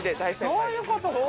そういうことか。